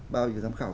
bao nhiêu giám khảo